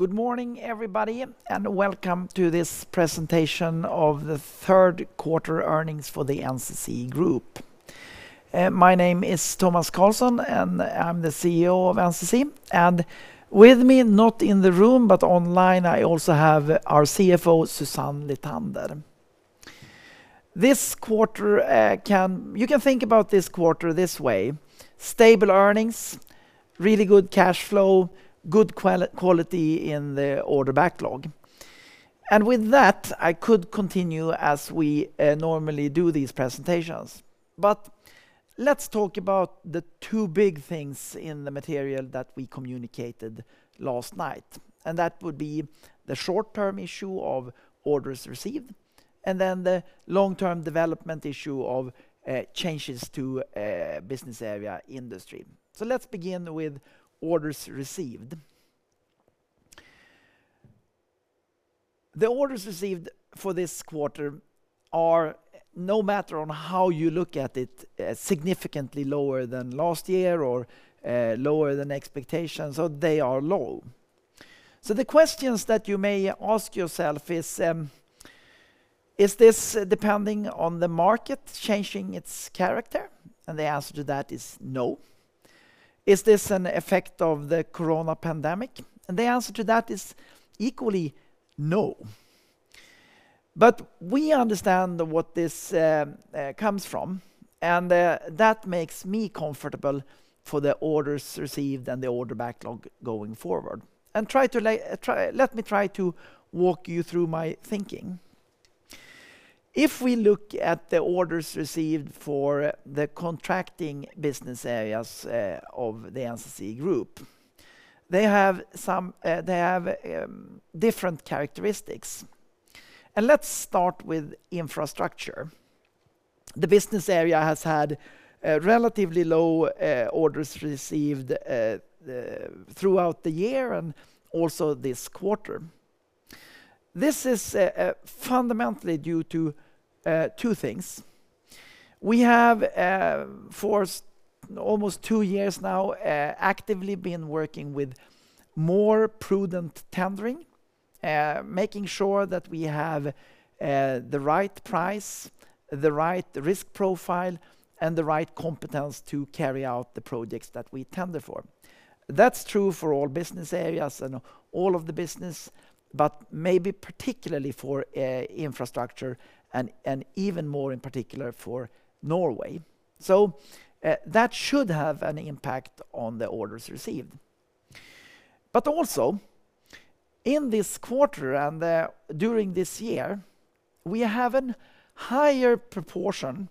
Good morning, everybody, and welcome to this presentation of the Third Quarter Earnings for the NCC Group. My name is Tomas Carlsson, and I'm the CEO of NCC. With me, not in the room but online, I also have our CFO, Susanne Lithander. You can think about this quarter this way: stable earnings, really good cash flow, good quality in the order backlog. With that, I could continue as we normally do these presentations. Let's talk about the two big things in the material that we communicated last night. That would be the short-term issue of orders received, and then the long-term development issue of changes to Business Area Industry. Let's begin with orders received. The orders received for this quarter are, no matter on how you look at it, significantly lower than last year or lower than expectations, so they are low. The questions that you may ask yourself is this depending on the market changing its character? The answer to that is no. Is this an effect of the coronavirus pandemic? The answer to that is equally no. We understand what this comes from, and that makes me comfortable for the orders received and the order backlog going forward. Let me try to walk you through my thinking. If we look at the orders received for the contracting business areas of the NCC Group, they have different characteristics. Let's start with Infrastructure. The business area has had relatively low orders received throughout the year and also this quarter. This is fundamentally due to two things. We have, for almost two years now, actively been working with more prudent tendering, making sure that we have the right price, the right risk profile, and the right competence to carry out the projects that we tender for. That's true for all business areas and all of the business, but maybe particularly for Infrastructure and even more in particular for Norway. That should have an impact on the orders received. Also in this quarter and during this year, we have a higher proportion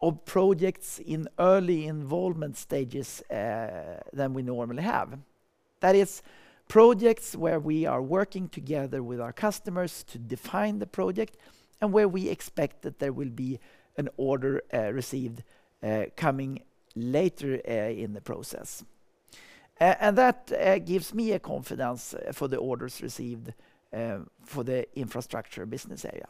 of projects in early involvement stages than we normally have. That is, projects where we are working together with our customers to define the project and where we expect that there will be an order received coming later in the process. That gives me a confidence for the orders received for the Infrastructure business area.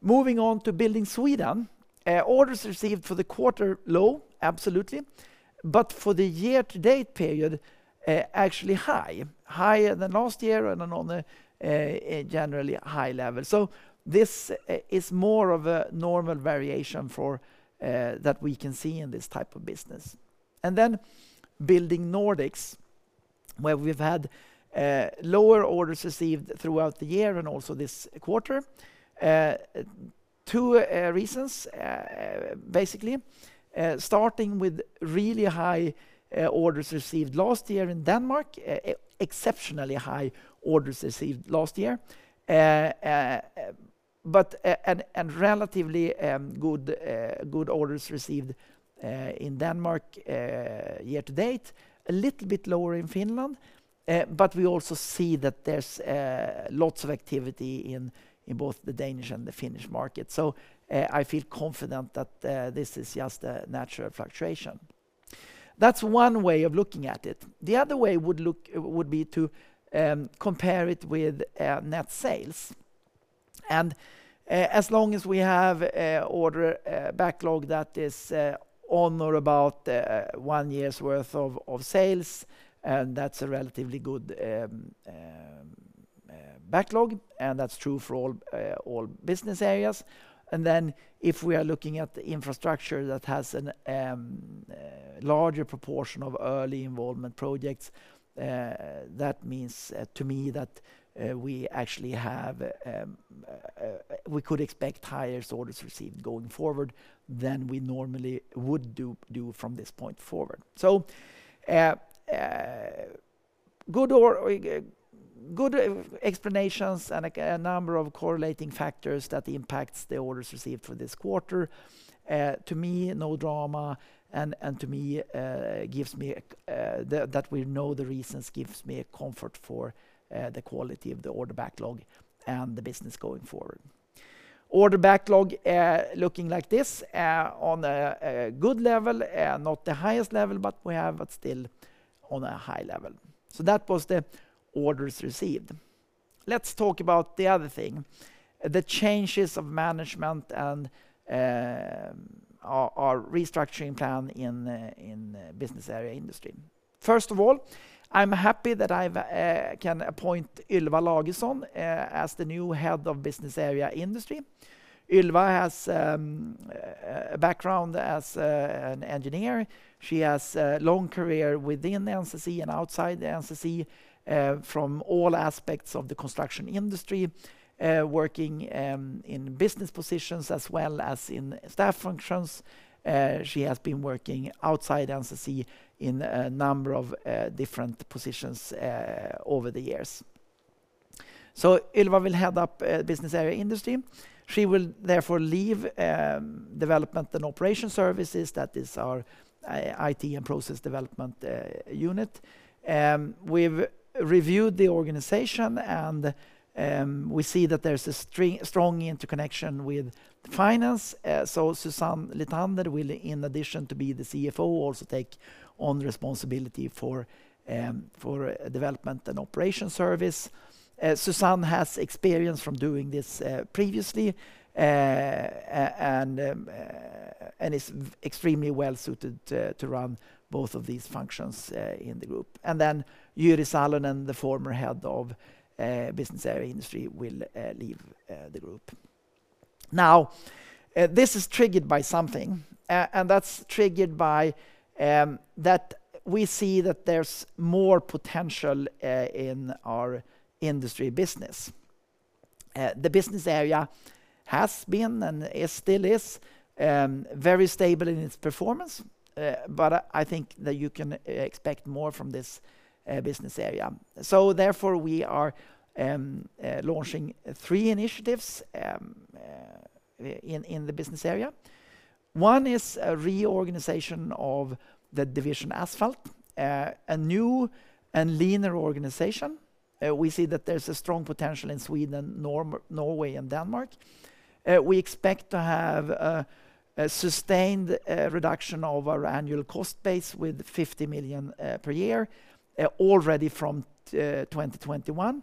Moving on to Building Sweden. Orders received for the quarter, low, absolutely. For the year-to-date period, actually high. Higher than last year and on a generally high level. This is more of a normal variation that we can see in this type of business. Then Building Nordics, where we've had lower orders received throughout the year and also this quarter. Two reasons, basically. Starting with really high orders received last year in Denmark, exceptionally high orders received last year, and relatively good orders received in Denmark year-to-date. A little bit lower in Finland, but we also see that there's lots of activity in both the Danish and the Finnish market. I feel confident that this is just a natural fluctuation. That's one way of looking at it. The other way would be to compare it with net sales. As long as we have order backlog that is on or about one year's worth of sales, that's a relatively good backlog, and that's true for all business areas. If we are looking at the infrastructure that has a larger proportion of early involvement projects, that means to me that we could expect higher orders received going forward than we normally would do from this point forward. Good explanations and a number of correlating factors that impacts the orders received for this quarter. To me, no drama, and that we know the reasons gives me a comfort for the quality of the order backlog and the business going forward. Order backlog looking like this, on a good level, not the highest level, but still on a high level. That was the orders received. Let's talk about the other thing, the changes of management and our restructuring plan in the Business Area Industry. First of all, I'm happy that I can appoint Ylva Lagesson as the new head of Business Area Industry. Ylva has a background as an engineer. She has a long career within NCC and outside NCC from all aspects of the construction industry, working in business positions as well as in staff functions. She has been working outside NCC in a number of different positions over the years. Ylva will head up Business Area Industry. She will therefore leave Development & Operations Services. That is our IT and process development unit. We've reviewed the organization, and we see that there's a strong interconnection with finance. Susanne Lithander will, in addition to being the CFO, also take on responsibility for Development & Operations Services. Susanne has experience from doing this previously, and is extremely well-suited to run both of these functions in the group. Jyri Salonen, the former head of Business area Industry, will leave the group. This is triggered by something. That's triggered by that we see that there's more potential in our Industry business. The Business area has been, and it still is, very stable in its performance. I think that you can expect more from this Business area. Therefore, we are launching three initiatives in the Business area. One is a reorganization of the division Asphalt, a new and leaner organization. We see that there's a strong potential in Sweden, Norway, and Denmark. We expect to have a sustained reduction of our annual cost base with 50 million per year already from 2021.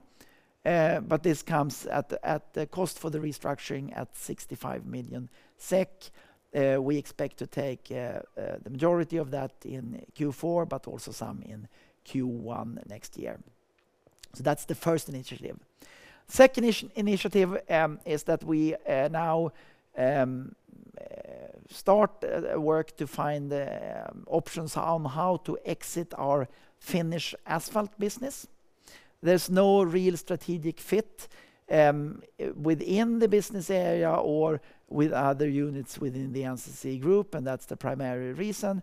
This comes at the cost for the restructuring at 65 million SEK. We expect to take the majority of that in Q4, but also some in Q1 next year. That's the first initiative. Second initiative is that we now start work to find options on how to exit our Finnish Asphalt business. There's no real strategic fit within the business area or with other units within the NCC Group, and that's the primary reason.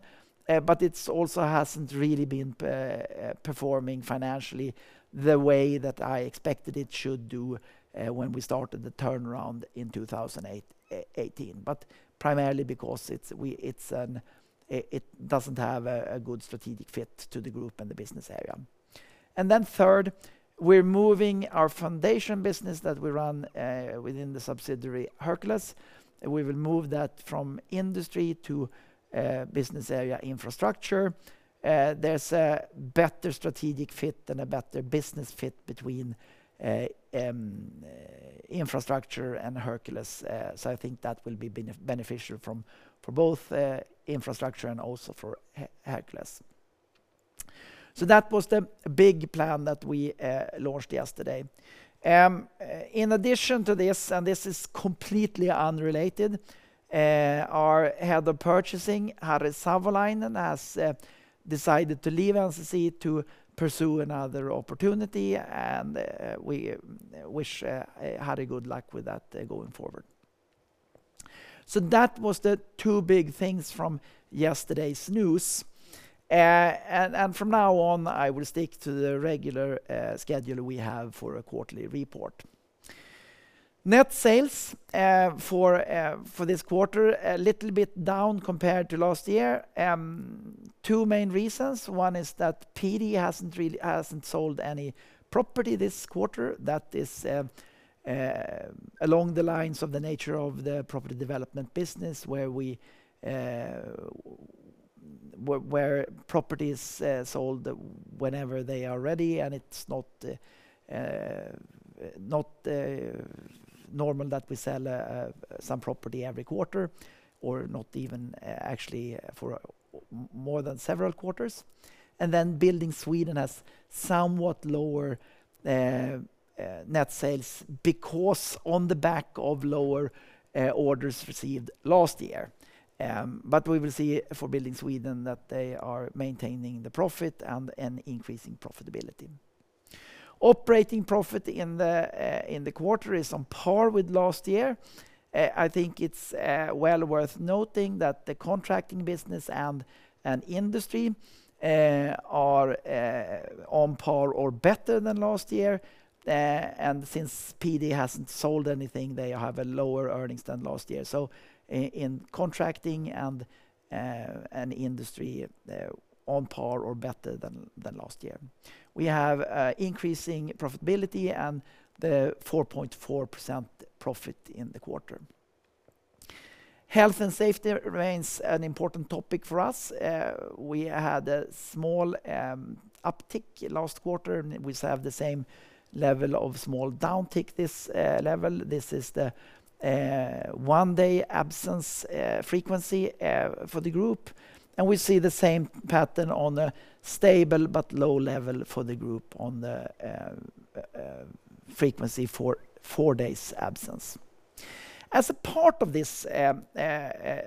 It also hasn't really been performing financially the way that I expected it should do when we started the turnaround in 2018. Primarily because it doesn't have a good strategic fit to the Group and the business area. Third, we're moving our foundation business that we run within the subsidiary Hercules. We will move that from Industry to business area Infrastructure. There's a better strategic fit and a better business fit between Infrastructure and Hercules. I think that will be beneficial for both Infrastructure and also for Hercules. That was the big plan that we launched yesterday. In addition to this, and this is completely unrelated, our head of purchasing, Harri Savolainen, has decided to leave NCC to pursue another opportunity, and we wish Harri good luck with that going forward. That was the two big things from yesterday's news. From now on, I will stick to the regular schedule we have for a quarterly report. Net sales for this quarter, a little bit down compared to last year. Two main reasons. One is that PD hasn't sold any property this quarter. That is along the lines of the nature of the property development business, where properties sold whenever they are ready, and it's not normal that we sell some property every quarter, or not even actually for more than several quarters. Building Sweden has somewhat lower net sales because on the back of lower orders received last year. We will see for Building Sweden that they are maintaining the profit and increasing profitability. Operating profit in the quarter is on par with last year. I think it's well worth noting that the contracting business and industry are on par or better than last year. Since PD hasn't sold anything, they have a lower earnings than last year. In contracting and industry, they're on par or better than last year. We have increasing profitability and the 4.4% profit in the quarter. Health and safety remains an important topic for us. We had a small uptick last quarter. We have the same level of small downtick this level. This is the one-day absence frequency for the group. We see the same pattern on a stable but low level for the group on the frequency for four days absence. As a part of this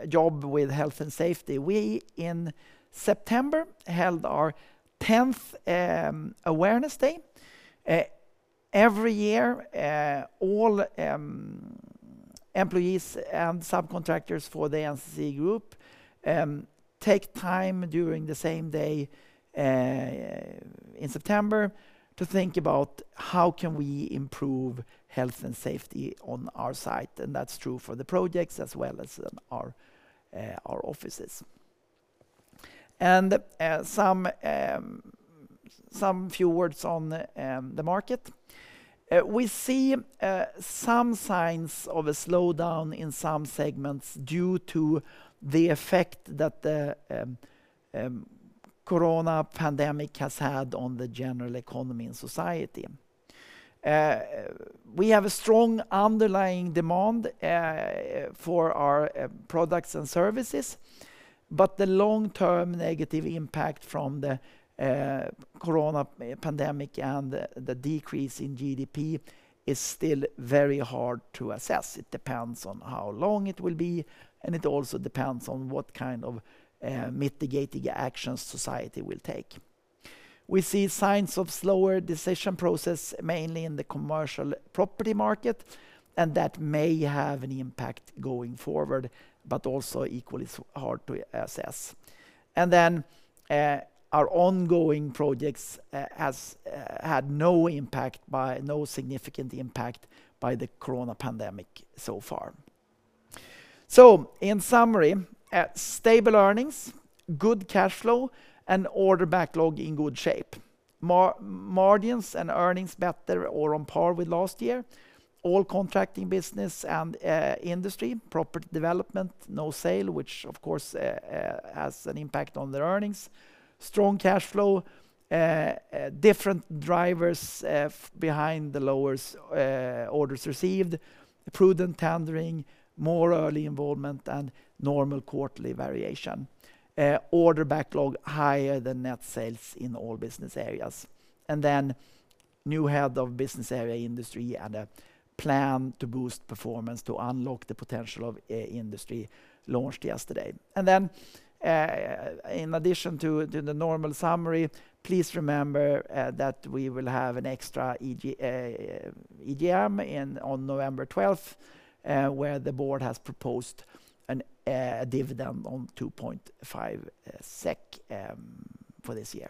job with health and safety, we, in September, held our 10th Awareness Day. Every year, all employees and subcontractors for the NCC Group take time during the same day in September to think about how can we improve health and safety on our site. That's true for the projects as well as our offices. Some few words on the market. We see some signs of a slowdown in some segments due to the effect that the corona pandemic has had on the general economy and society. We have a strong underlying demand for our products and services. The long-term negative impact from the corona pandemic and the decrease in GDP is still very hard to assess. It depends on how long it will be. It also depends on what kind of mitigating actions society will take. We see signs of slower decision process, mainly in the commercial property market. That may have an impact going forward, but also equally hard to assess. Our ongoing projects had no significant impact by the corona pandemic so far. In summary, stable earnings, good cash flow, and order backlog in good shape. Margins and earnings better or on par with last year. All contracting business and Industry, property development, no sale, which of course, has an impact on the earnings. Strong cash flow. Different drivers behind the lower orders received. Prudent tendering, more early involvement, normal quarterly variation. Order backlog higher than net sales in all business areas. New head of business area Industry and a plan to boost performance to unlock the potential of Industry launched yesterday. In addition to the normal summary, please remember that we will have an extra EGM on November 12th, where the board has proposed a dividend on 2.5 million SEK for this year.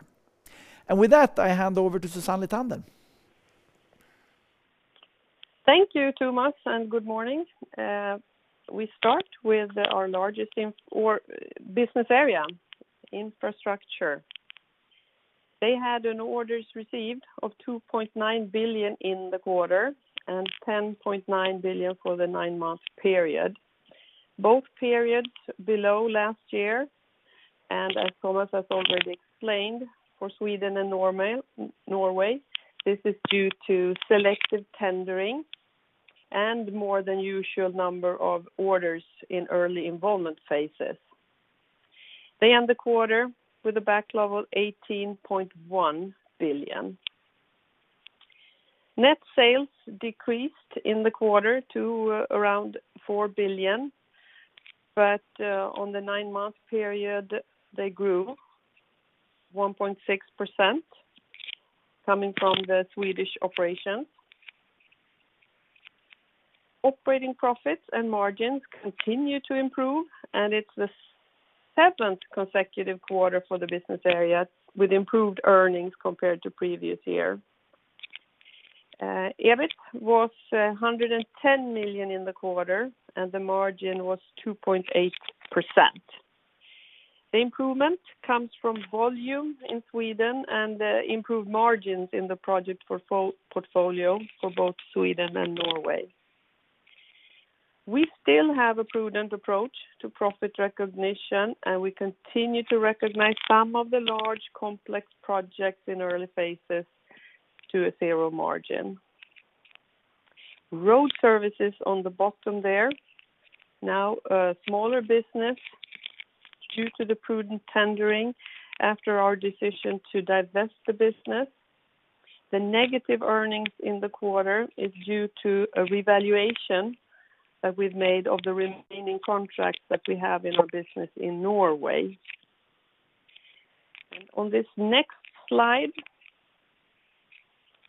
With that, I hand over to Susanne Lithander. Thank you, Tomas, and good morning. We start with our largest business area, Infrastructure. They had an orders received of 2.9 billion in the quarter, and 10.9 billion for the nine-month period. Both periods below last year. As Tomas has already explained, for Sweden and Norway, this is due to selective tendering and more than usual number of orders in early involvement phases. They end the quarter with a back level 18.1 billion. Net sales decreased in the quarter to around 4 billion, but on the nine-month period, they grew 1.6%, coming from the Swedish operations. Operating profits and margins continue to improve, and it's the seventh consecutive quarter for the business area with improved earnings compared to previous year. EBIT was 110 million in the quarter, and the margin was 2.8%. The improvement comes from volume in Sweden and improved margins in the project portfolio for both Sweden and Norway. We still have a prudent approach to profit recognition, and we continue to recognize some of the large, complex projects in early phases to a zero margin. Road Services on the bottom there. Now a smaller business due to the prudent tendering after our decision to divest the business. The negative earnings in the quarter is due to a revaluation that we've made of the remaining contracts that we have in our business in Norway. On this next slide,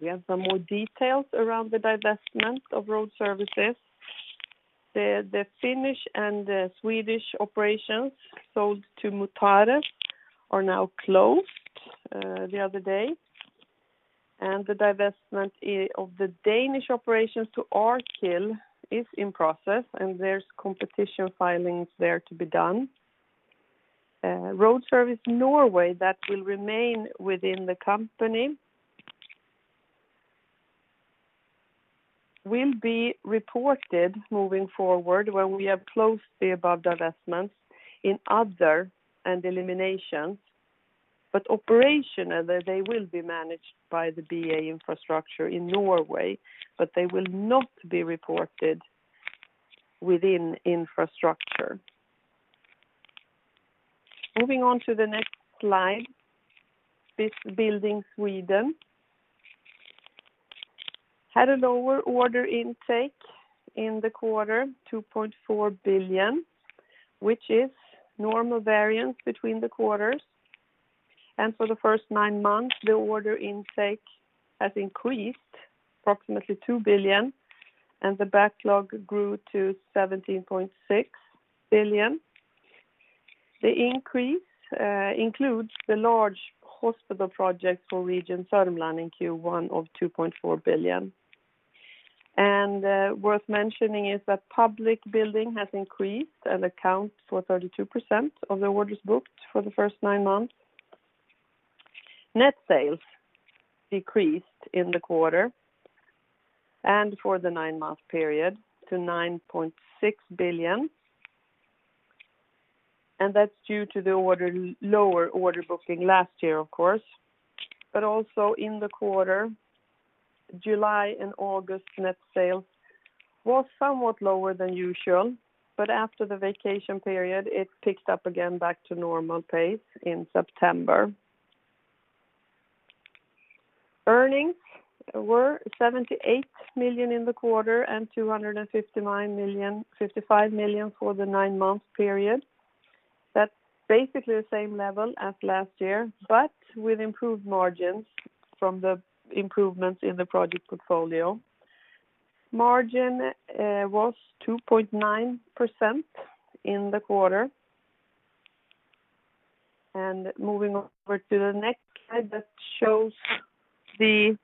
we have some more details around the divestment of Road Services. The Finnish and the Swedish operations sold to Mutares are now closed the other day, and the divestment of the Danish operations to Arkil is in process, and there's competition filings there to be done. Road Services Norway, that will remain within the company. Will be reported moving forward when we have closed the above divestments in other and eliminations, but operationally, they will be managed by the BA Infrastructure in Norway, but they will not be reported within Infrastructure. Moving on to the next slide. This Building Sweden had a lower order intake in the quarter, 2.4 billion, which is normal variance between the quarters. For the first nine months, the order intake has increased approximately 2 billion, and the backlog grew to 17.6 billion. The increase includes the large hospital projects for Region Sörmland in Q1 of 2.4 billion. Worth mentioning is that public building has increased and accounts for 32% of the orders booked for the first nine months. Net sales decreased in the quarter and for the nine-month period to 9.6 billion. That's due to the lower order booking last year, of course, but also in the quarter, July and August net sales were somewhat lower than usual, but after the vacation period, it picked up again back to normal pace in September. Earnings were 78 million in the quarter and 255 million for the nine-month period. That's basically the same level as last year, but with improved margins from the improvements in the project portfolio. Margin was 2.9% in the quarter. Moving over to the next slide that shows the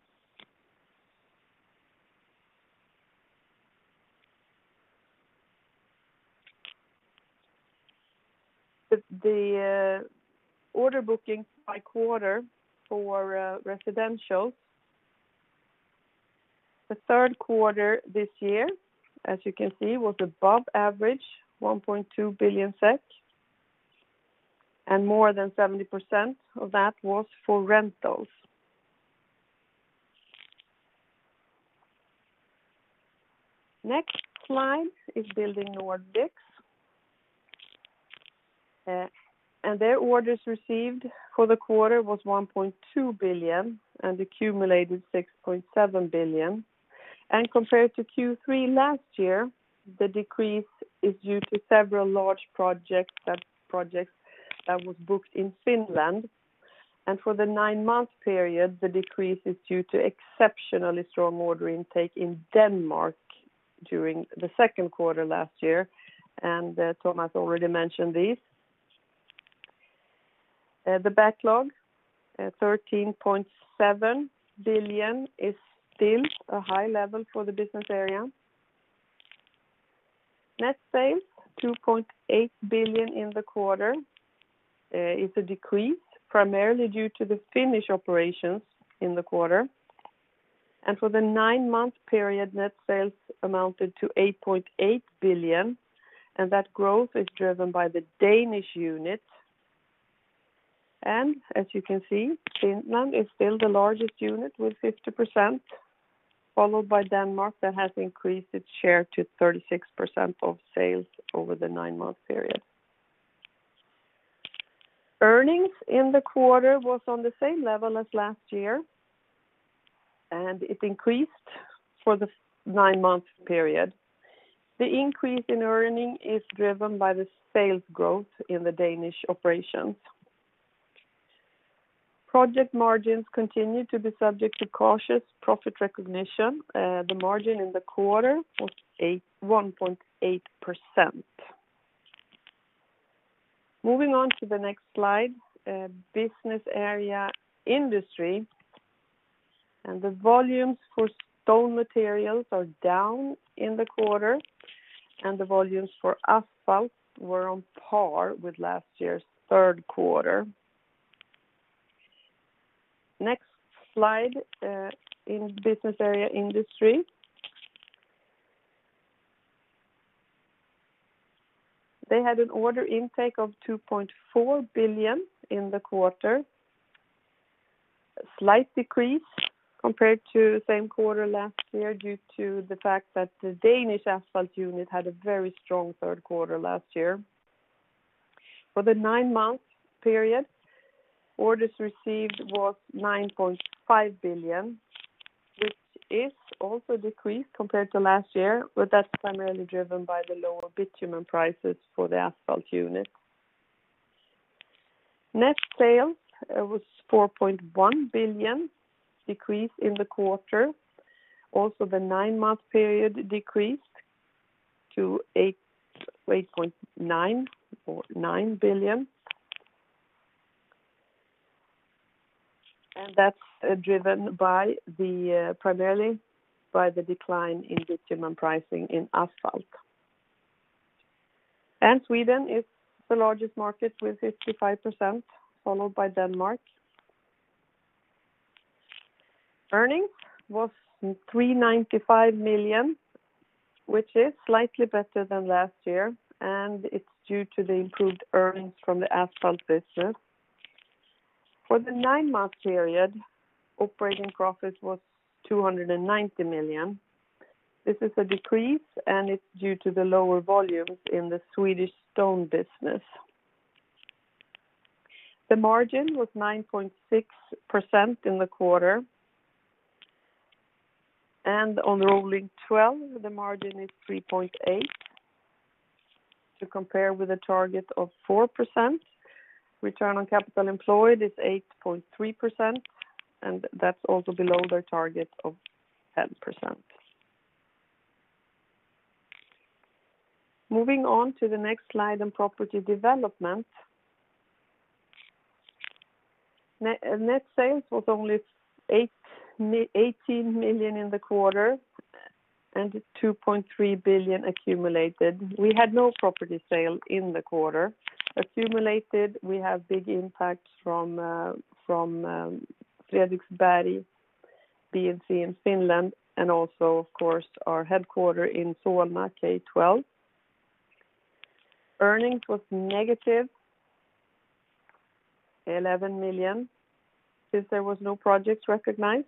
order bookings by quarter for Residential. The third quarter this year, as you can see, was above average, 1.2 billion SEK, and more than 70% of that was for rentals. Next slide is Building Nordics. Their orders received for the quarter was 1.2 billion and accumulated 6.7 billion. Compared to Q3 last year, the decrease is due to several large projects that was booked in Finland. For the nine-month period, the decrease is due to exceptionally strong order intake in Denmark during the second quarter last year, and Tomas already mentioned this. The backlog, 13.7 billion, is still a high level for the business area. Net sales, 2.8 billion in the quarter. It's a decrease primarily due to the Finnish operations in the quarter. For the nine-month period, net sales amounted to 8.8 billion, and that growth is driven by the Danish unit. As you can see, Finland is still the largest unit with 50%, followed by Denmark, that has increased its share to 36% of sales over the nine-month period. Earnings in the quarter was on the same level as last year, and it increased for the nine-month period. The increase in earnings is driven by the sales growth in the Danish operations. Project margins continue to be subject to cautious profit recognition. The margin in the quarter was 1.8%. Moving on to the next slide, Business Area Industry. The volumes for stone materials are down in the quarter, and the volumes for Asphalt were on par with last year's third quarter. Next slide in Business Area Industry. They had an order intake of 2.4 billion in the quarter. A slight decrease compared to the same quarter last year, due to the fact that the Danish Asphalt unit had a very strong third quarter last year. For the nine-month period, orders received were 9.5 billion, which is also decreased compared to last year, that's primarily driven by the lower bitumen prices for the Asphalt unit. Net sales were 4.1 billion, decrease in the quarter. The nine-month period decreased to SEK 8.9 billion. That's driven primarily by the decline in bitumen pricing in Asphalt. Sweden is the largest market with 55%, followed by Denmark. Earnings was 395 million, which is slightly better than last year, and it's due to the improved earnings from the Asphalt business. For the nine-month period, operating profit was 290 million. This is a decrease, and it's due to the lower volumes in the Swedish stone business. The margin was 9.6% in the quarter. On rolling 12, the margin is 3.8%, to compare with a target of 4%. Return on capital employed is 8.3%, and that's also below their target of 10%. Moving on to the next slide on property development. Net sales was only 18 million in the quarter and 2.3 billion accumulated. We had no property sale in the quarter. Accumulated, we have big impacts from Fredriksberg B and C in Finland and also, of course, our headquarter in Solna, K12. Earnings was -11 million since there was no project recognized.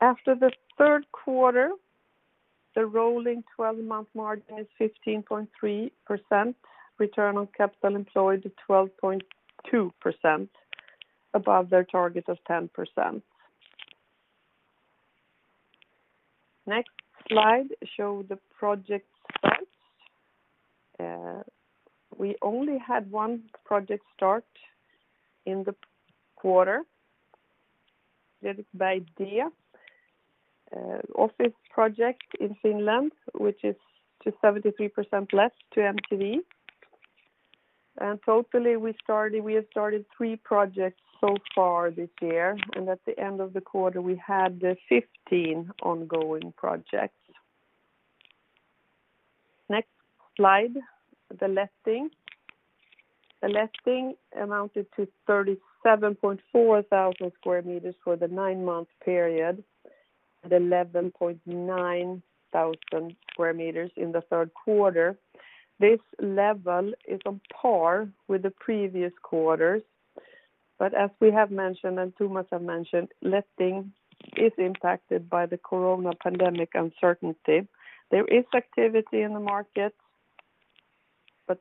After the third quarter, the rolling 12-month margin is 15.3%. Return on capital employed to 12.2%, above their target of 10%. Next slide show the project starts. We only had one project start in the quarter. Fredriksberg D office project in Finland, which is 73% let to MTV. Totally, we have started three projects so far this year, and at the end of the quarter, we had 15 ongoing projects. Next slide, the letting. The letting amounted to 37,400 sq m for the nine-month period and 11,900 sq m in the third quarter. This level is on par with the previous quarters, as we have mentioned, and Tomas has mentioned, letting is impacted by the coronavirus pandemic uncertainty. There is activity in the market.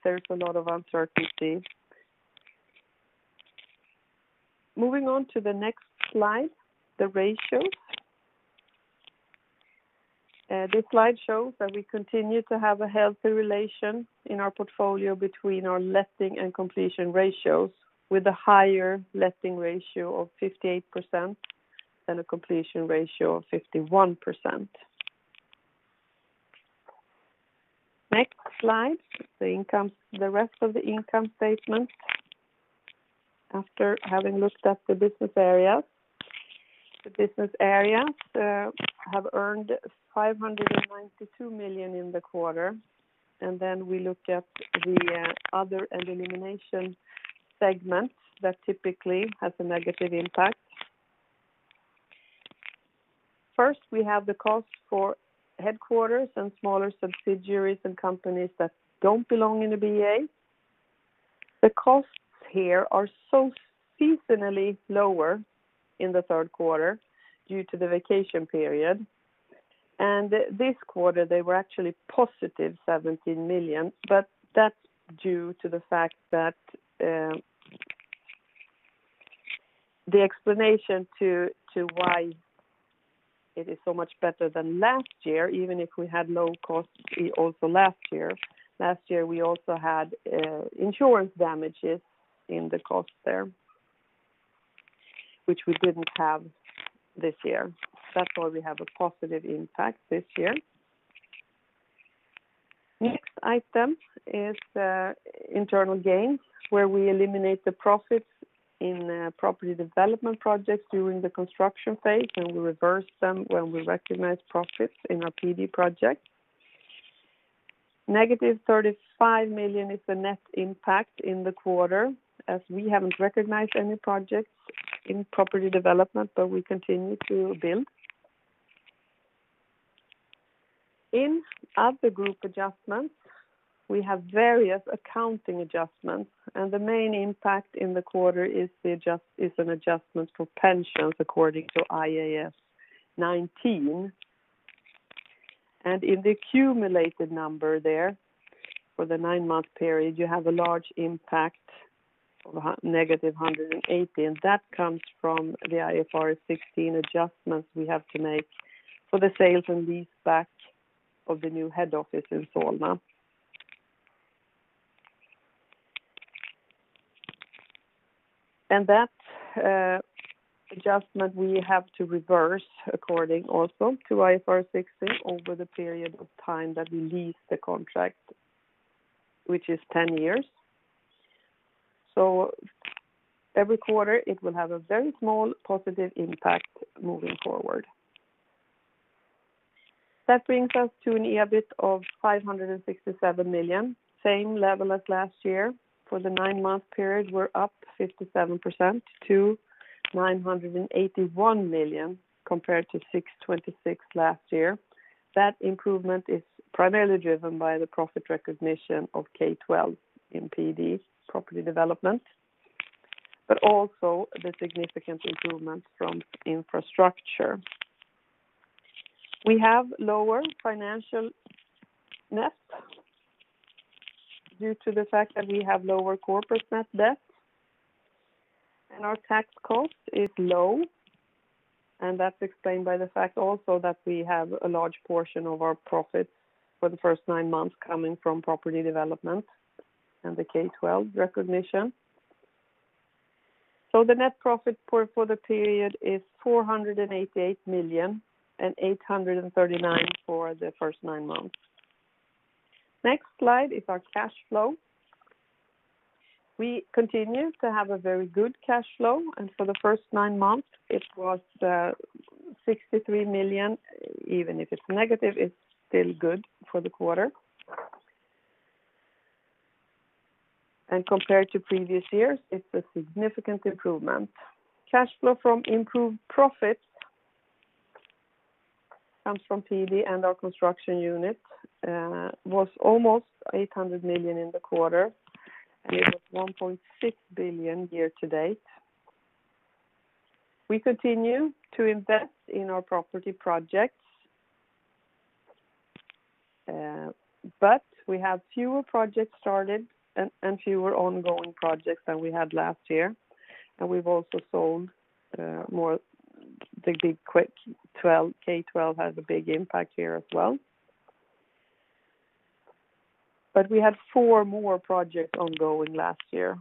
There's a lot of uncertainty. Moving on to the next slide, the ratios. This slide shows that we continue to have a healthy relation in our portfolio between our letting and completion ratios, with a higher letting ratio of 58% and a completion ratio of 51%. Next slide, the rest of the income statement after having looked at the business areas. The business areas have earned 592 million in the quarter. Then we look at the other and elimination segments that typically has a negative impact. First, we have the cost for headquarters and smaller subsidiaries and companies that don't belong in the BA. The costs here are seasonally lower in the third quarter due to the vacation period. This quarter they were actually positive 17 million, but that's due to the fact that the explanation to why it is so much better than last year, even if we had low costs also last year. Last year, we also had insurance damages in the cost there, which we didn't have this year. That's why we have a positive impact this year. Next item is internal gains, where we eliminate the profits in property development projects during the construction phase, and we reverse them when we recognize profits in our PD project. Negative 35 million is the net impact in the quarter as we haven't recognized any projects in property development, but we continue to build. In other group adjustments, we have various accounting adjustments. The main impact in the quarter is an adjustment for pensions according to IAS 19. In the accumulated number there, for the nine-month period, you have a large impact of negative 180. That comes from the IFRS 16 adjustments we have to make for the sales and lease back of the new head office in Solna. That adjustment we have to reverse according also to IFRS 16 over the period of time that we lease the contract, which is 10 years. So every quarter it will have a very small positive impact moving forward. That brings us to an EBIT of 567 million, same level as last year. For the nine-month period, we're up 57% to 981 million compared to 626 million last year. That improvement is primarily driven by the profit recognition of K12 in PD, property development, also the significant improvements from Infrastructure. We have lower financial net due to the fact that we have lower corporate net debt, our tax cost is low, that's explained by the fact also that we have a large portion of our profits for the first nine months coming from property development and the K12 recognition. The net profit for the period is 488 million SEK and 839 million SEK for the first nine months. Next slide is our cash flow. We continue to have a very good cash flow, for the first nine months it was 63 million SEK. Even if it's negative, it's still good for the quarter. Compared to previous years, it's a significant improvement. Cash flow from improved profit comes from PD and our construction unit was almost 800 million in the quarter, and it was 1.6 billion year-to-date. We continue to invest in our property projects, but we have fewer projects started and fewer ongoing projects than we had last year, and we've also sold more. The big quick K12 has a big impact here as well. We had four more projects ongoing last year,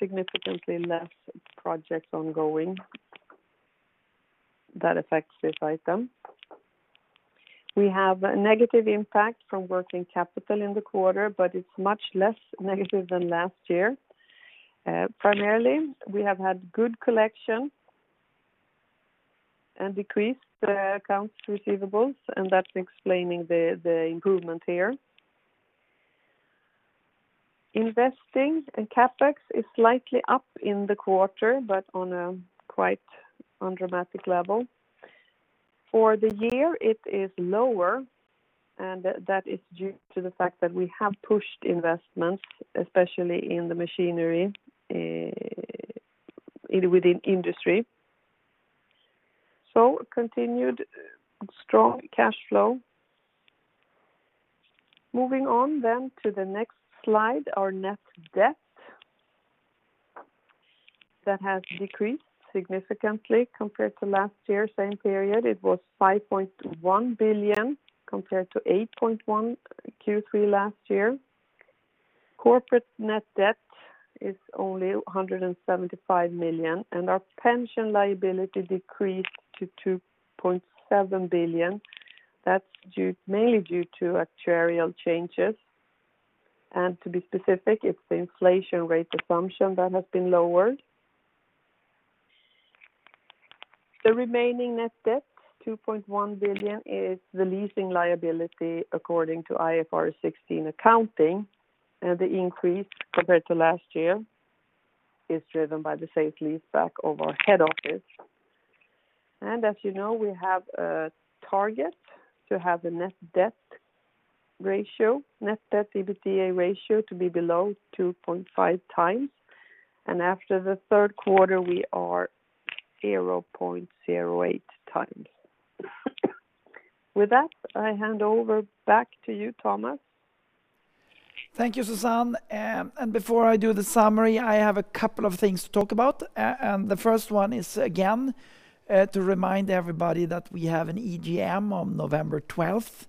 significantly less projects ongoing. That affects this item. We have a negative impact from working capital in the quarter, but it's much less negative than last year. Primarily, we have had good collection and decreased accounts receivables, and that's explaining the improvement here. Investing and CapEx is slightly up in the quarter, but on a quite undramatic level. For the year it is lower, that is due to the fact that we have pushed investments, especially in the machinery within Industry. Continued strong cash flow. Moving on to the next slide, our net debt. That has decreased significantly compared to last year the same period. It was 5.1 billion compared to 8.1 billion Q3 last year. Corporate net debt is only 175 million, our pension liability decreased to 2.7 billion. That's mainly due to actuarial changes. To be specific, it's the inflation rate assumption that has been lowered. The remaining net debt, 2.1 billion is the leasing liability according to IFRS 16 accounting. The increase compared to last year is driven by the sale leaseback of our head office. As you know, we have a target to have the net debt EBITDA ratio to be below 2.5x. After the third quarter, we are 0.08x. With that, I hand over back to you, Tomas. Thank you, Susanne. Before I do the summary, I have a couple of things to talk about. The first one is, again, to remind everybody that we have an EGM on November 12th.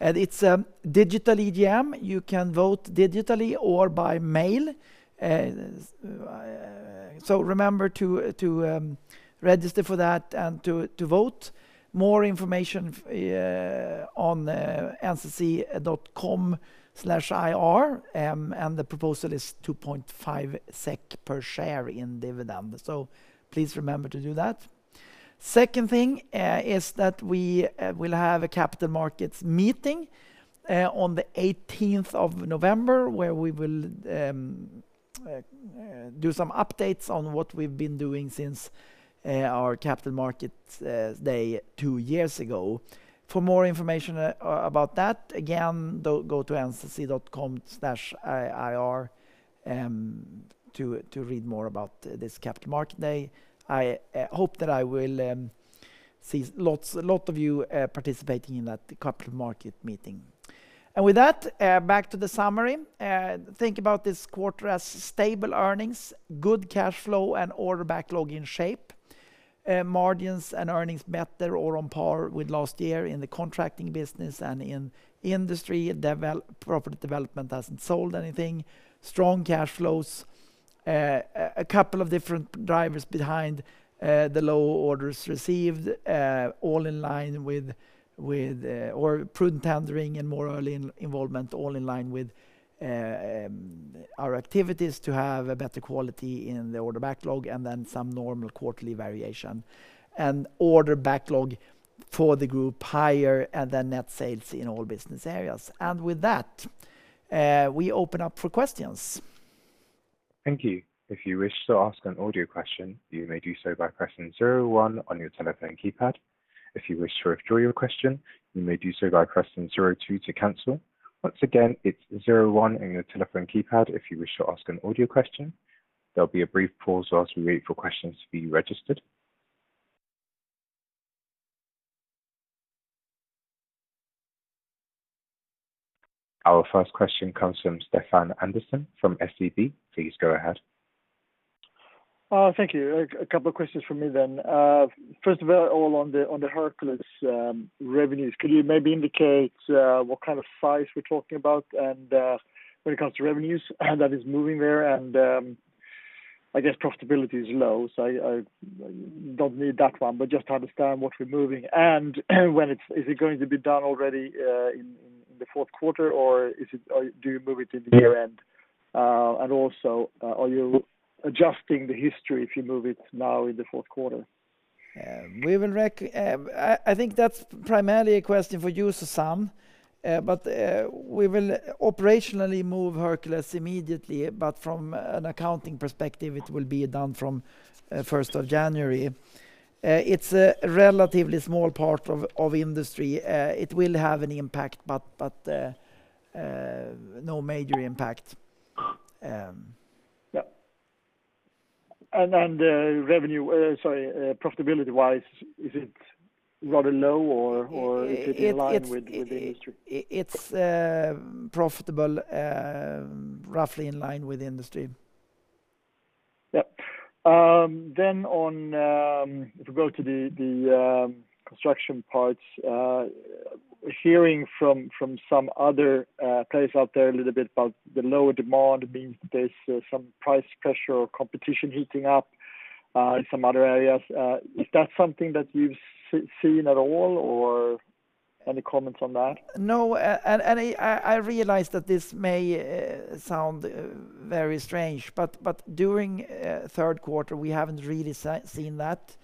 It's a digital EGM. You can vote digitally or by mail. Remember to register for that and to vote. More information on ncc.com/ir, and the proposal is 2.5 SEK per share in dividend. Please remember to do that. Second thing is that we will have a Capital Markets Meeting on the 18th of November, where we will do some updates on what we've been doing since our Capital Markets Day two years ago. For more information about that, again, go to ncc.com/ir to read more about this Capital Markets Day. I hope that I will see a lot of you participating in that Capital Markets Meeting. With that, back to the summary. Think about this quarter as stable earnings, good cash flow, and order backlog in shape. Margins and earnings better or on par with last year in the contracting business and in Industry. Property development hasn't sold anything. Strong cash flows. A couple of different drivers behind the low orders received, all in line with prudent tendering and more early involvement, all in line with our activities to have a better quality in the order backlog and then some normal quarterly variation. Order backlog for the group higher than net sales in all business areas. With that, we open up for questions. Thank you. If you wish to ask an audio question, you may do so by pressing zero one on your telephone keypad. If you wish to withdraw your question, you may do so by pressing zero two to cancel. Once again, it's zero one on your telephone keypad if you wish to ask an audio question. There'll be a brief pause while we wait for questions to be registered. Our first question comes from Stefan Andersson from SEB. Please go ahead. Thank you. A couple of questions from me then. First of all, on the Hercules revenues, could you maybe indicate what kind of size we're talking about and when it comes to revenues that is moving there? I guess profitability is low, so I don't need that one, but just to understand what we're moving and is it going to be done already in the fourth quarter, or do you move it to the year-end? Are you adjusting the history if you move it now in the fourth quarter? I think that's primarily a question for you, Susanne. We will operationally move Hercules immediately, but from an accounting perspective, it will be done from 1st of January. It's a relatively small part of industry. It will have an impact but no major impact. Yeah. Revenue, sorry profitability-wise, is it rather low or is it in line with the industry? It's profitable, roughly in line with the industry. Yep. If we go to the construction parts, hearing from some other players out there a little bit about the lower demand means that there's some price pressure or competition heating up in some other areas. Is that something that you've seen at all, or any comments on that? No, and I realize that this may sound very strange, but during third quarter, we haven't really seen that.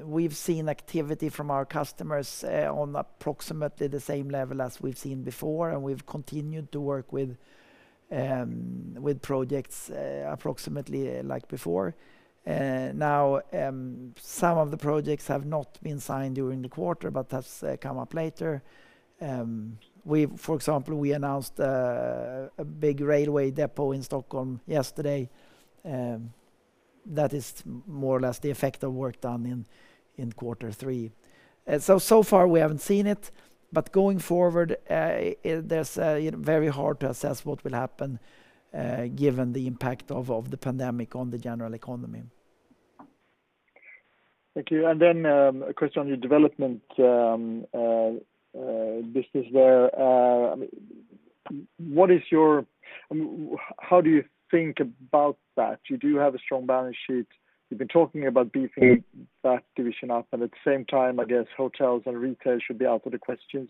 We've seen activity from our customers on approximately the same level as we've seen before, and we've continued to work with projects approximately like before. Now, some of the projects have not been signed during the quarter, but that's come up later. For example, we announced a big railway depot in Stockholm yesterday. That is more or less the effect of work done in quarter three. So far we haven't seen it, but going forward, it is very hard to assess what will happen, given the impact of the pandemic on the general economy. Thank you. A question on your development business there. How do you think about that? You do have a strong balance sheet. You've been talking about beefing that division up, and at the same time, I guess hotels and retail should be out of the question.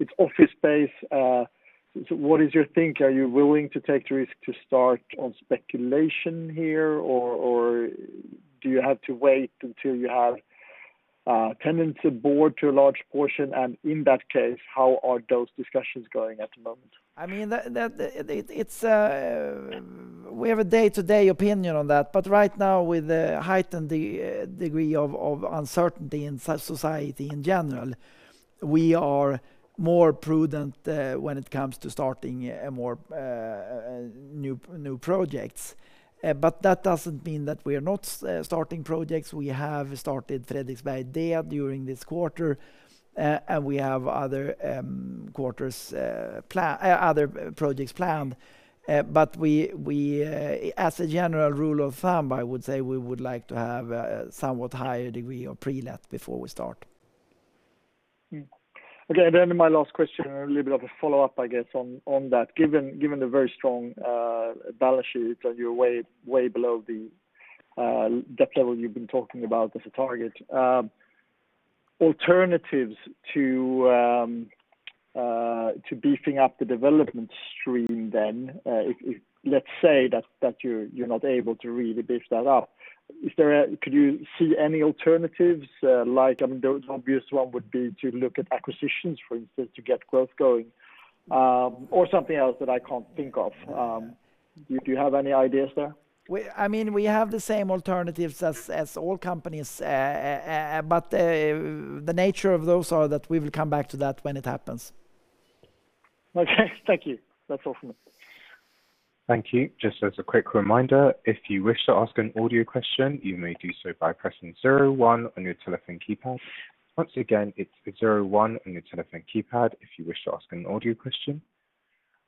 It's office space. What is your think? Are you willing to take the risk to start on speculation here, or do you have to wait until you have tenants aboard to a large portion? In that case, how are those discussions going at the moment? We have a day-to-day opinion on that, but right now, with the heightened degree of uncertainty in society in general, we are more prudent when it comes to starting new projects. That doesn't mean that we're not starting projects. We have started Fredriksberg D during this quarter, and we have other projects planned. As a general rule of thumb, I would say we would like to have a somewhat higher degree of pre-let before we start. Okay, my last question, a little bit of a follow-up, I guess, on that. Given the very strong balance sheet and you're way below the debt level you've been talking about as a target, alternatives to beefing up the development stream then, if let's say that you're not able to really beef that up, could you see any alternatives? The obvious one would be to look at acquisitions, for instance, to get growth going, or something else that I can't think of. Do you have any ideas there? We have the same alternatives as all companies. The nature of those are that we will come back to that when it happens. Okay. Thank you. That's all from me. Thank you. Just as a quick reminder, if you wish to ask an audio question, you may do so by pressing zero one on your telephone keypad. Once again, it's zero one on your telephone keypad if you wish to ask an audio question.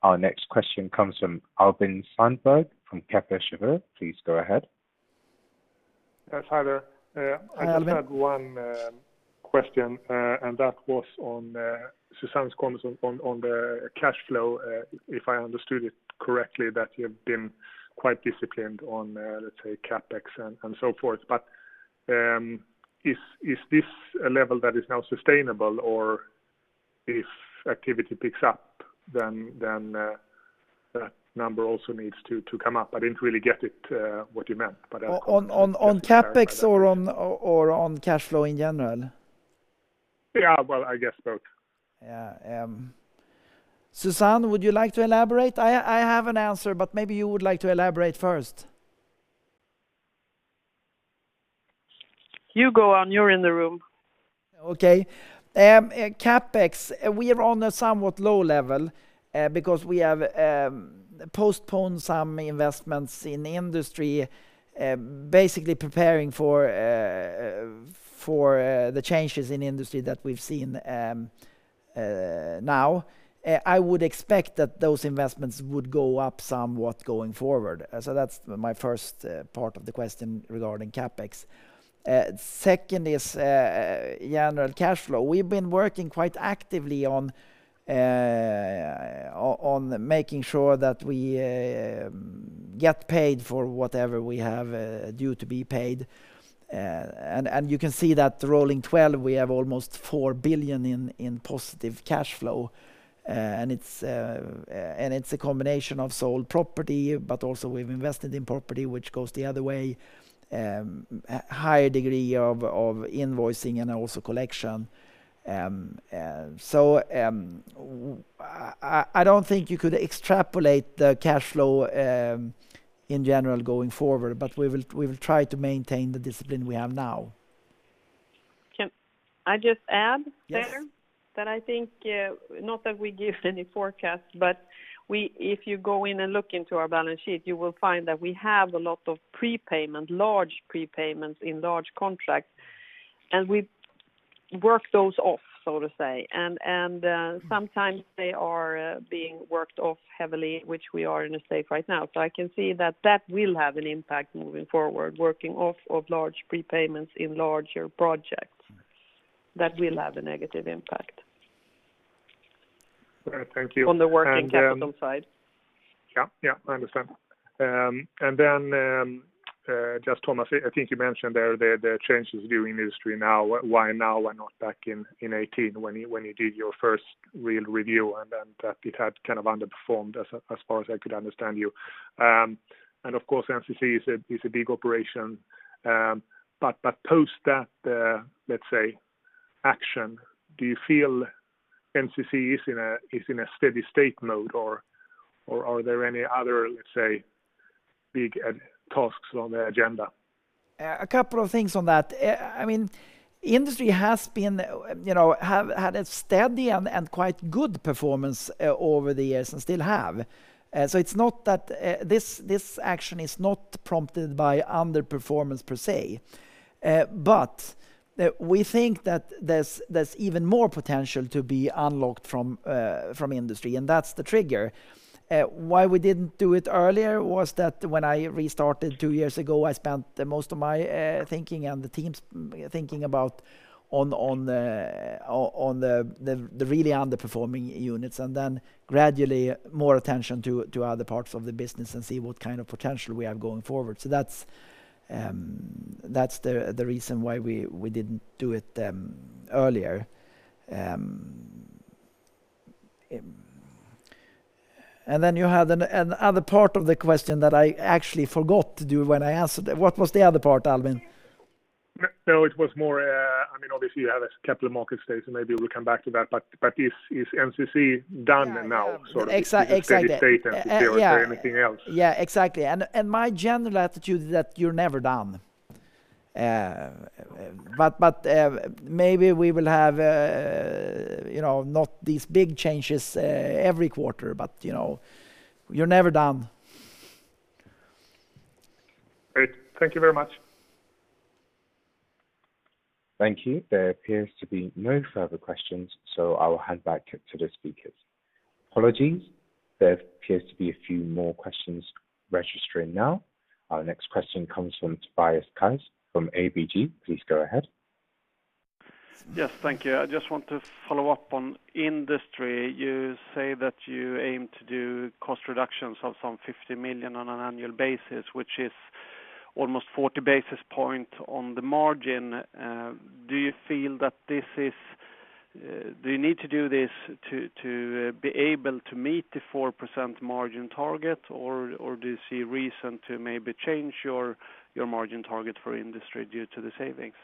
Our next question comes from Albin Sandberg from Kepler Cheuvreux. Please go ahead. Yes, hi there. Albin. I just had one question, and that was on Susanne's comments on the cash flow. If I understood it correctly, that you've been quite disciplined on, let's say, CapEx and so forth, but is this a level that is now sustainable or if activity picks up, then that number also needs to come up? I didn't really get it what you meant. On CapEx or on cash flow in general? Yeah. Well, I guess both. Yeah. Susanne, would you like to elaborate? I have an answer, but maybe you would like to elaborate first. You go on. You're in the room. Okay. CapEx, we are on a somewhat low level because we have postponed some investments in Industry, basically preparing for the changes in Industry that we've seen now. I would expect that those investments would go up somewhat going forward. That's my first part of the question regarding CapEx. Second is general cash flow. We've been working quite actively on making sure that we get paid for whatever we have due to be paid. You can see that rolling 12, we have almost 4 billion in positive cash flow. It's a combination of sold property, but also we've invested in property, which goes the other way, higher degree of invoicing, and also collection. I don't think you could extrapolate the cash flow, in general, going forward, but we will try to maintain the discipline we have now. Can I just add there? Yes. That I think, not that we give any forecast, but if you go in and look into our balance sheet, you will find that we have a lot of large prepayments in large contracts, and we work those off, so to say. Sometimes they are being worked off heavily, which we are in a state right now. I can see that that will have an impact moving forward, working off of large prepayments in larger projects. That will have a negative impact. Thank you. On the working capital side. Yeah. I understand. Just Tomas, I think you mentioned there the changes you do in Industry now. Why now, why not back in 2018 when you did your first real review, that it had underperformed as far as I could understand you. Of course, NCC is a big operation. Post that, let's say, action, do you feel NCC is in a steady state mode or are there any other, let's say, big tasks on the agenda? A couple of things on that. Industry had a steady and quite good performance over the years and still have. This action is not prompted by underperformance per se. We think that there's even more potential to be unlocked from Industry, and that's the trigger. Why we didn't do it earlier was that when I restarted two years ago, I spent the most of my thinking and the team's thinking about on the really underperforming units, and then gradually more attention to other parts of the business and see what kind of potential we have going forward. That's the reason why we didn't do it earlier. You had another part of the question that I actually forgot to do when I answered. What was the other part, Albin? No, it was more, obviously you have a capital market space, and maybe we'll come back to that. Is NCC done now? Yeah. Sort of in a steady state- Yeah. Is there anything else? Yeah, exactly. My general attitude is that you're never done. Maybe we will have not these big changes every quarter, but you're never done. Great. Thank you very much. Thank you. There appears to be no further questions, so I will hand back to the speakers. Apologies. There appears to be a few more questions registering now. Our next question comes from Tobias Kaj from ABG. Please go ahead. Yes. Thank you. I just want to follow up on Industry. You say that you aim to do cost reductions of some 50 million on an annual basis, which is almost 40 basis points on the margin. Do you feel that you need to do this to be able to meet the 4% margin target, or do you see reason to maybe change your margin target for Industry due to the savings?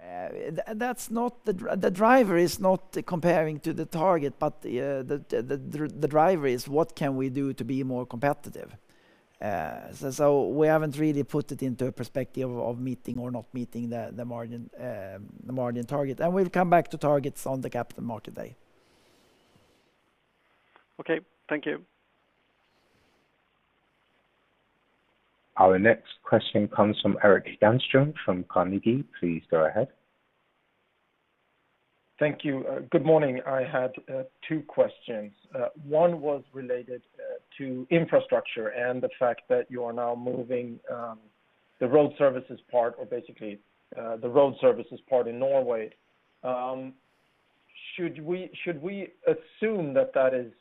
The driver is not comparing to the target, the driver is what can we do to be more competitive. We haven't really put it into a perspective of meeting or not meeting the margin target. We'll come back to targets on the Capital Market Day. Okay. Thank you. Our next question comes from Erik Djurström from Carnegie. Please go ahead. Thank you. Good morning. I had two questions. One was related to Infrastructure and the fact that you are now moving the Road Services part, or basically the Road Services part in Norway. Should we assume that is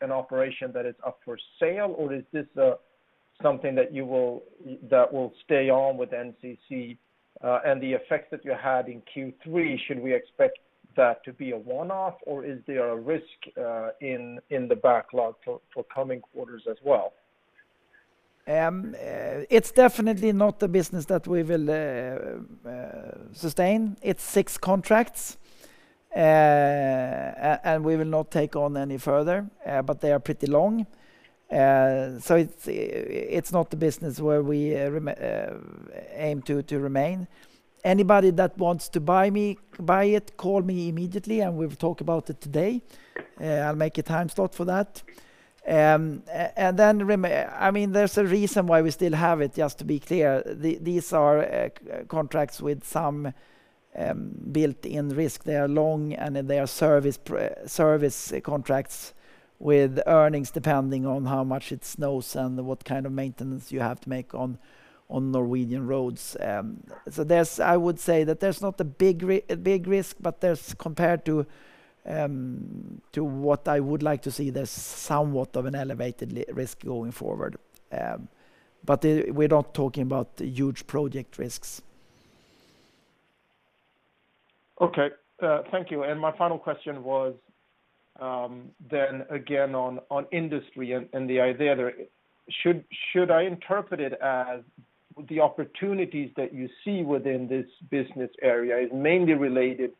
an operation that is up for sale, or is this something that will stay on with NCC and the effect that you had in Q3, should we expect that to be a one-off or is there a risk in the backlog for coming quarters as well? It's definitely not the business that we will sustain. It's six contracts, and we will not take on any further, but they are pretty long. It's not the business where we aim to remain. Anybody that wants to buy it, call me immediately and we'll talk about it today. I'll make a time slot for that. There's a reason why we still have it, just to be clear. These are contracts with some built-in risk. They are long, and they are service contracts with earnings depending on how much it snows and what kind of maintenance you have to make on Norwegian roads. I would say that there's not a big risk, but compared to what I would like to see, there's somewhat of an elevated risk going forward. We're not talking about huge project risks. Okay. Thank you. My final question was then again on Industry and the idea there. Should I interpret it as the opportunities that you see within this business area is mainly related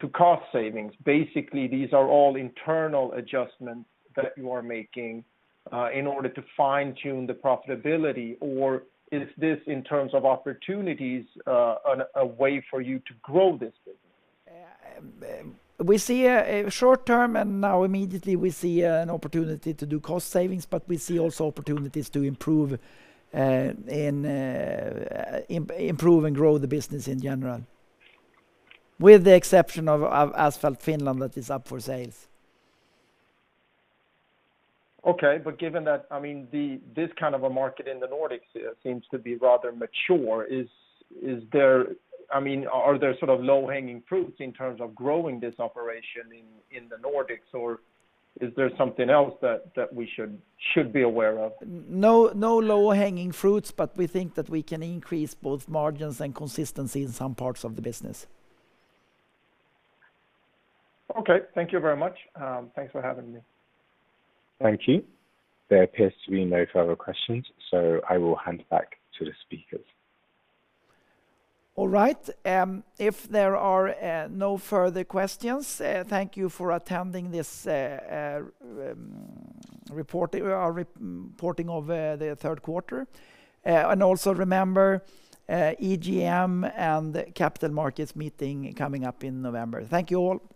to cost savings, basically, these are all internal adjustments that you are making in order to fine-tune the profitability, or is this, in terms of opportunities, a way for you to grow this business? We see a short term, and now immediately we see an opportunity to do cost savings, but we see also opportunities to improve and grow the business in general. With the exception of Asphalt Finland, that is up for sales. Okay. Given that this kind of a market in the Nordics seems to be rather mature, are there low-hanging fruits in terms of growing this operation in the Nordics, or is there something else that we should be aware of? No low-hanging fruits, but we think that we can increase both margins and consistency in some parts of the business. Okay. Thank you very much. Thanks for having me. Thank you. There appears to be no further questions, so I will hand back to the speakers. All right. If there are no further questions, thank you for attending this reporting of the third quarter. Also remember, EGM and Capital Markets Meeting coming up in November. Thank you, all.